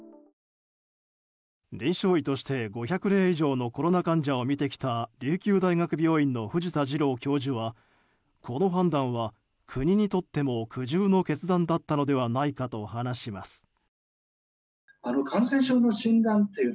臨床医として５００例以上のコロナ患者を診てきた琉球大学病院の藤田次郎教授はこの判断は苦渋の決断だったのではないかと話します。